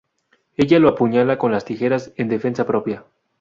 Ella lo apuñala con las tijeras en defensa propia.